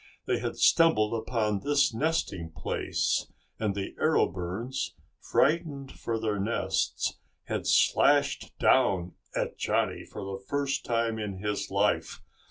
They had stumbled upon this nesting place, and the arrow birds, frightened for their nests, had slashed down at Johnny for the first time in his life.